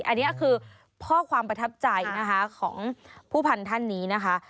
อันนี้คือเพราะความประทับใจของผู้พันธุ์ท่านนี้นะคะ